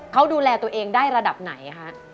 เขาดูแลตัวเองได้ระดับไหนคะ